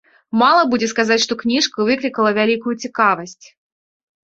Мала будзе сказаць, што кніжка выклікала вялікую цікавасць.